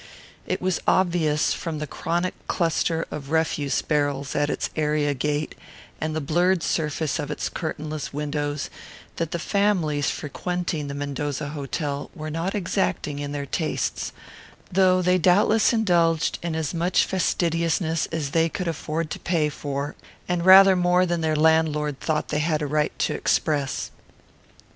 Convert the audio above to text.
It was obvious from the chronic cluster of refuse barrels at its area gate and the blurred surface of its curtainless windows, that the families frequenting the Mendoza Hotel were not exacting in their tastes; though they doubtless indulged in as much fastidiousness as they could afford to pay for, and rather more than their landlord thought they had a right to express.